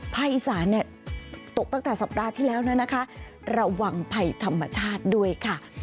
ภาคอีสานเนี่ยตกตั้งแต่สัปดาห์ที่แล้วนะคะระวังภัยธรรมชาติด้วยค่ะ